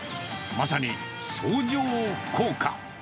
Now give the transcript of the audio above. まさに相乗効果。